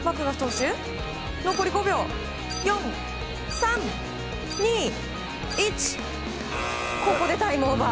残り５、４、３、２、１ここでタイムオーバー！